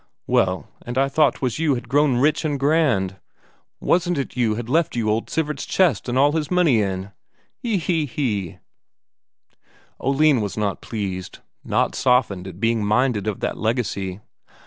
"Well, and I thought 'twas you had grown rich and grand. Wasn't it you had left you old Sivert's chest and all his money in? He he he!" Oline was not pleased, not softened at being minded of that legacy.